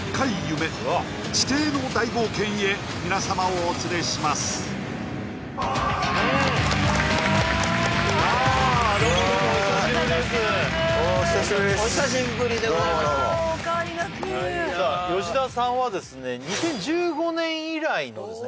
お変わりなく吉田さんはですね２０１５年以来のですね